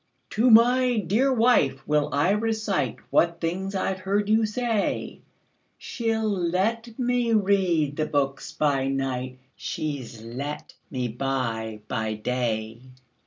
"To my dear wife will I reciteWhat things I 've heard you say; She 'll let me read the books by nightShe 's let me buy by day.